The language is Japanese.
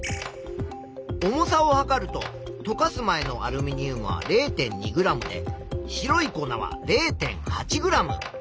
重さを量るととかす前のアルミニウムは０．２ｇで白い粉は０．８ｇ。